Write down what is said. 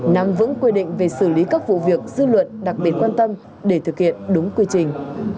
nằm vững quy định về xử lý các vụ việc dư luận đặc biệt quan tâm để thực hiện đúng quy trình